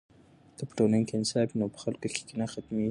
که په ټولنه کې انصاف وي نو په خلکو کې کینه ختمېږي.